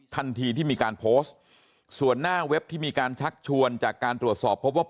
ทันทีที่มีการโพสต์ส่วนหน้าเว็บที่มีการชักชวนจากการตรวจสอบพบว่า